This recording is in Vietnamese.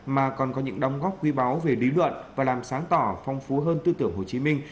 mà còn có những đóng góp quý báu về lý luận và làm sáng tỏ phong phú hơn tư tưởng hồ chí minh